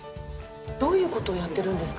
どういう事をやってるんですか？